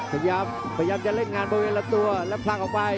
พยายามจะเล่นงานบริเวณลำตัวแล้วพลังออกไป